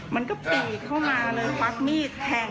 มันก็ปีกเข้ามาเลยควักมีดแทง